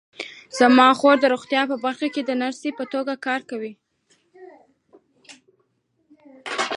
زما خور د روغتیا په برخه کې د نرسۍ په توګه کار کوي